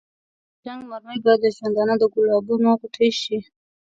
نو د جنګ مرمۍ به د ژوندانه د ګلابونو غوټۍ شي.